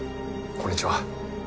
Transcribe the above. こんにちは。